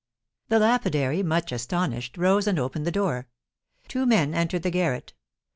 The lapidary, much astonished, rose and opened the door. Two men entered the garret.